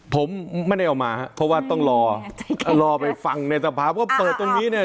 ผมไม่ได้เอามาครับเพราะว่าต้องรอรอไปฟังในสภาพว่าเปิดตรงนี้เนี่ย